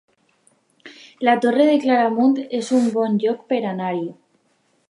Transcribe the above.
La Torre de Claramunt es un bon lloc per anar-hi